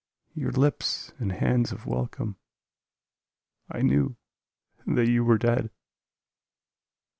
Your lips and hands of welcome, I knew that you were dead!